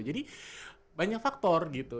jadi banyak faktor gitu